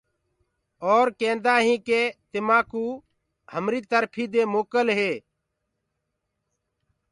اور ڪيندآ هينٚ ڪي تمآڪوُ همري ترڦيٚ دي موڪل هو۔